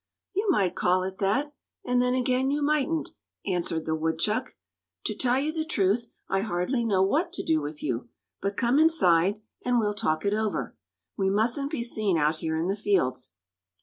"You might call it that; and then, again, you mightn't," answered the woodchuck. "To tell you the truth, I hardly know what to do with you. But come inside, and we'll talk it over. We musn't be seen out here in the fields."